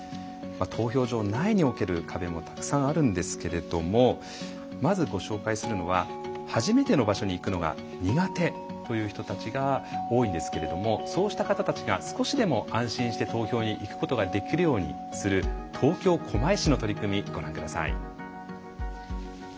投票所内における壁もたくさんあるんですけれどもまずご紹介するのは初めての場所に行くのが苦手という人たちが多いんですけれどもそうした方たちが少しでも安心して投票に行くことができるようにする東京狛江市の取り組みご覧ください。